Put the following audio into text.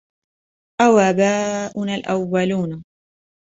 أَوَآبَاؤُنَا الْأَوَّلُونَ